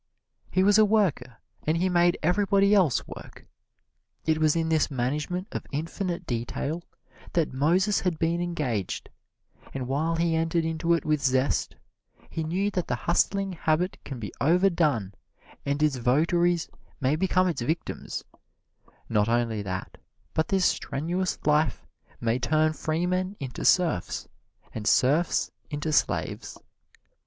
He was a worker, and he made everybody else work. It was in this management of infinite detail that Moses had been engaged; and while he entered into it with zest, he knew that the hustling habit can be overdone and its votaries may become its victims not only that, but this strenuous life may turn freemen into serfs, and serfs into slaves.